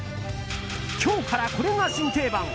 今日からこれが新定番。